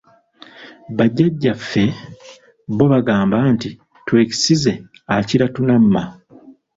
Bajjajjaffe bo bagamba nti, "twekisize akira tunamma".